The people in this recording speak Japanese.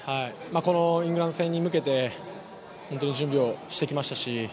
このイングランド戦に向けて準備をしてきましたし。